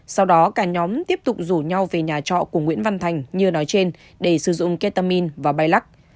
sau đó cả nhóm tiếp tục rủ nhau về nhà trọ của nguyễn văn thành như nói trên để sử dụng ketamin và bay lắc